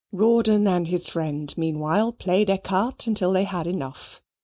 Rawdon and his friend meanwhile played ecarte until they had enough.